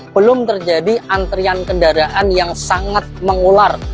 belum terjadi antrian kendaraan yang sangat mengular